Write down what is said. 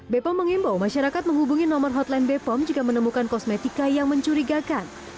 bepom mengimbau masyarakat menghubungi nomor hotline bepom jika menemukan kosmetika yang mencurigakan